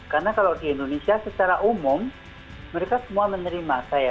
karena kalau di indonesia secara umum mereka semua menerima saya